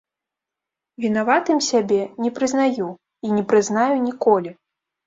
Вінаватым сябе не прызнаю і не прызнаю ніколі.